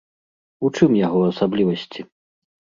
У чым яго асаблівасці?